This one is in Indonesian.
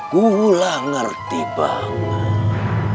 gula ngerti banget